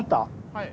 はい。